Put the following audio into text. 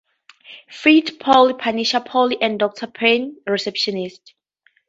Fit, Polly, Punisher Polly and Doctor Payne's Receptionist.